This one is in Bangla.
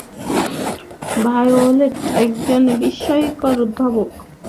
ভায়োলেট একজন বিস্ময়কর উদ্ভাবক।